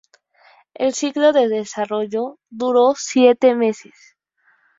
El ciclo de desarrollo duró siete meses.